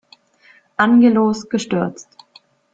Angelos gestürzt.